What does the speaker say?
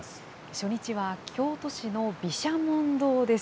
初日は京都市の毘沙門堂です。